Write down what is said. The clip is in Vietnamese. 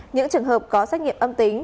những trường hợp có xét nghiệm âm tính